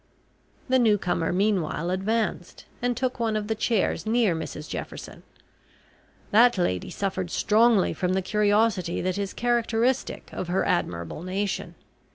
The newcomer meanwhile advanced and took one of the chairs near Mrs Jefferson. That lady suffered strongly from the curiosity that is characteristic of her admirable nation.